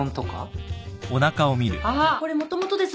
これもともとです。